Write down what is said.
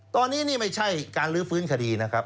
ตอนนี้นี่ไม่ใช่การลื้อฟื้นคดีนะครับ